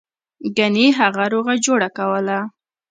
ګنې هغه روغه جوړه کوله.